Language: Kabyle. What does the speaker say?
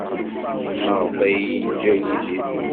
Maɣef ay iyi-yeǧǧa Yidir?